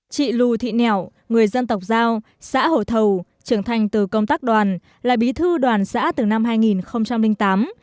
chị lù thị nẻo người dân tộc giao xã hồ thầu trưởng thành từ công tác đoàn là bí thư đoàn xã từ năm hai nghìn tám